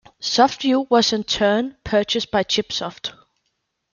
SoftView was in turn purchased by ChipSoft.